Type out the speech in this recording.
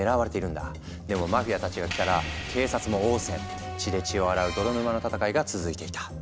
でもマフィアたちが来たら警察も応戦血で血を洗う泥沼の戦いが続いていた。